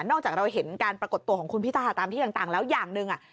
จากเราเห็นการปรากฏตัวของคุณพิธาตามที่ต่างแล้วอย่างหนึ่ง